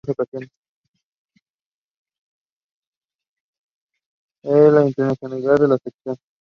Fue internacional con la Selección de fútbol de Italia en dos ocasiones.